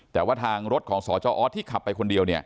แต่ว่ารถของสอที่ขับไปคนเดียว